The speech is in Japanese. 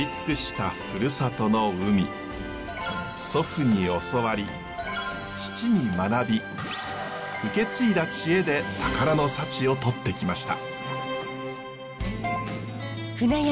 祖父に教わり父に学び受け継いだ知恵で宝の幸をとってきました。